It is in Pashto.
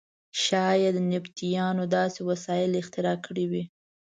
شاید نبطیانو داسې وسایل اختراع کړي وي.